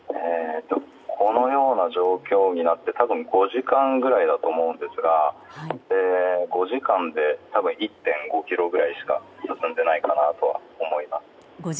このような状況になって多分５時間ぐらいだと思うんですが、５時間で１．５ｋｍくらいしか進んでいないかなと思います。